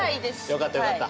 よかったよかった。